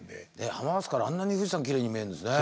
浜松からあんなに富士山きれいに見えるんですね。